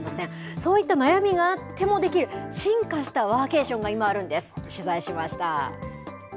そういった悩みがあってもできる、進化したワーケーションが今、あるんです。